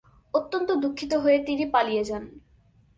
অত্যন্ত দুঃখিত হয়ে তিনি পালিয়ে যান।